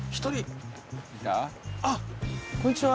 あっこんにちは。